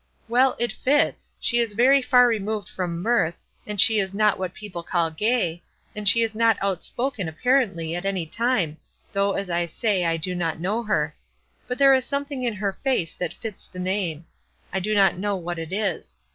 "Well, it fits. She is very far removed from mirth, and she is not what people call gay, and she is not outspoken apparently at any time, though, as I say, I do not know her; but there is something in her face that fits the name; I do not know what it is.